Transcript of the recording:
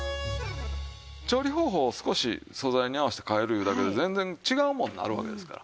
調理方法を少し素材に合わせて変えるいうだけで全然違う物になるわけですから。